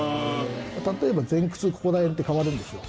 例えば前屈ここら辺って変わるんですよ